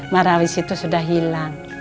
marawis itu sudah hilang